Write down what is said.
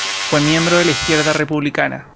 Fue miembro de Izquierda Republicana.